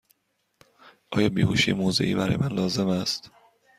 آیا بیهوشی موضعی برای من لازم است؟